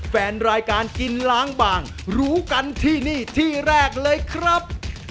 แฟนรายการกินล้างบางรู้กันที่นี่ที่แรกเลยครับ